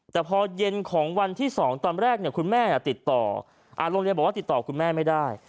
แต่พอเย็นของวันที่๒ตอนแรกคุณแม่ติดต่อโรงเรียนบอกว่าติดต่อคุณแม่ไม่ได้